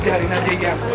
dari nadia ya